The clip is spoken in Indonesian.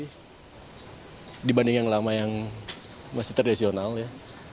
tapi dibanding yang lama yang masih tradisional ya